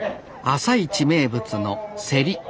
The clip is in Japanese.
朝市名物の競り。